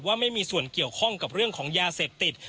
ว่าไม่มีส่วนเกี่ยวข้องกับเรื่องของยาเสพติด